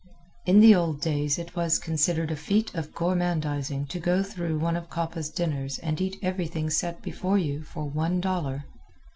In the old days it was considered a feat of gormandizing to go through one of Coppa's dinners and eat everything set before you for one dollar.